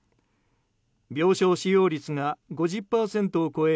病床使用率が５０％を超え